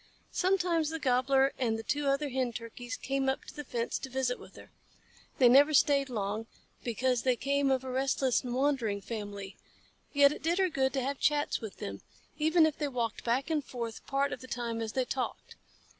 Sometimes the Gobbler and the two other Hen Turkeys came up to the fence to visit with her. They never stayed long, because they came of a restless and wandering family, yet it did her good to have chats with them, even if they walked back and forth part of the time as they talked.